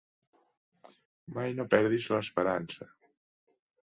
Mai no perdis l'esperança.